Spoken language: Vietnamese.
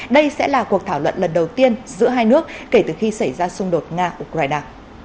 đây sẽ là cuộc thảo luận lần đầu tiên giữa hai nước kể từ khi xảy ra xung đột nga ukraine